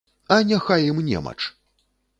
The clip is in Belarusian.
А няхай ім немач!